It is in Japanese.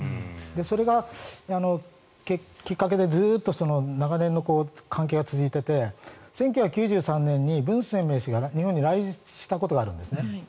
それがきっかけでずっと長年の関係が続いていて１９９３年にブン・センメイ氏が日本に来日したことがあるんですね。